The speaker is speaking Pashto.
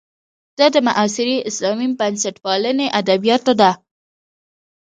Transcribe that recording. دا د معاصرې اسلامي بنسټپالنې ادبیاتو ده.